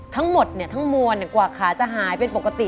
ทั้งหมดทั้งมวลกว่าขาจะหายเป็นปกติ